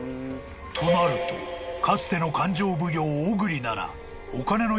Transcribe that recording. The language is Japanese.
［となるとかつての勘定奉行小栗なら］